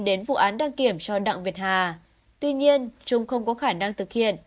đến vụ án đăng kiểm cho đặng việt hà tuy nhiên trung không có khả năng thực hiện